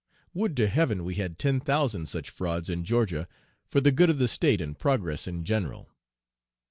Would to heaven we had ten thousand such frauds in Georgia for the good of the State and progress in general!